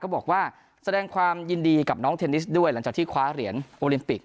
บอกว่าแสดงความยินดีกับน้องเทนนิสด้วยหลังจากที่คว้าเหรียญโอลิมปิก